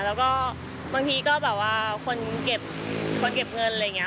แล้วก็บางทีก็แบบว่าคนเก็บคนเก็บเงินอะไรอย่างนี้